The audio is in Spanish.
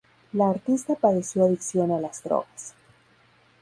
La artista padeció adicción a las drogas.